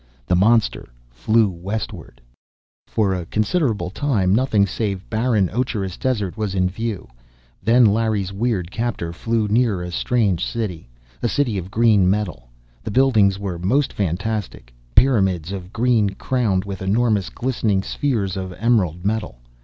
The monster flew westward. For a considerable time, nothing save barren, ocherous desert was in view. Then Larry's weird captor flew near a strange city. A city of green metal. The buildings were most fantastic pyramids of green, crowned with enormous, glistening spheres of emerald metal.